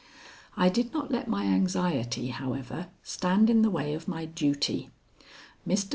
I did not let my anxiety, however, stand in the way of my duty. Mr.